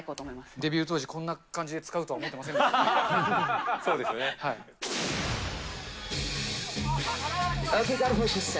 デビュー当時、こんな感じで使うとは思ってませんでした。